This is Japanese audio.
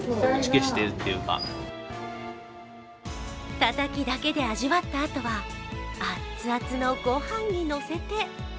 たたきだけで味わったあとはあっつあつのご飯にのせて。